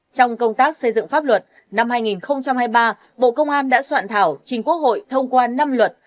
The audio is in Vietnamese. trong công tác xây dựng pháp luật năm hai nghìn hai mươi ba bộ công an đã soạn thảo trình quốc hội thông qua năm luật